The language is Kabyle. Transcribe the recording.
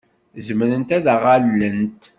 Zemrent ad aɣ-allent?